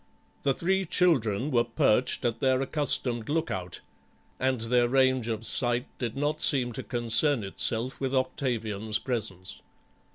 The three children were perched at their accustomed look out, and their range of sight did not seem to concern itself with Octavian's presence.